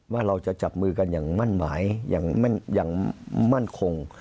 ว่าเราจะจับมือกันอย่างมั่นหมายอย่างมั่นคง